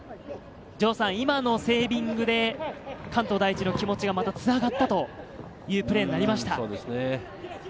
今のセービングで関東第一の気持ちがまたつながったというプレーになりました。